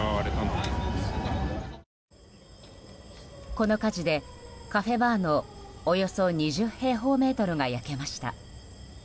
この火事で、カフェバーのおよそ２０平方メートルが焼けました。